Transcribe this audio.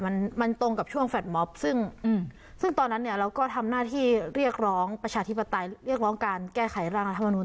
มันมันตรงกับช่วงแฟลตมอบซึ่งซึ่งตอนนั้นเนี่ยเราก็ทำหน้าที่เรียกร้องประชาธิปไตยเรียกร้องการแก้ไขร่างรัฐมนุน